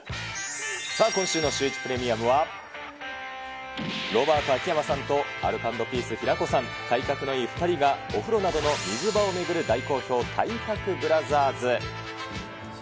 さあ、今週のシューイチプレミアムは、ロバート・秋山さんとアルコ＆ピース・平子さん、体格のいい２人がお風呂などの水場を巡る大好評、体格ブラザーズ。